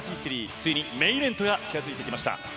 ついにメインイベントが近づいてきました。